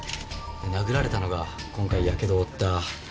殴られたのが今回やけどを負った。